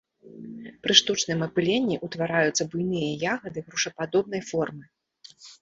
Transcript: Пры штучным апыленні ўтвараюцца буйныя ягады грушападобнай формы.